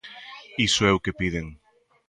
Iso é o que piden.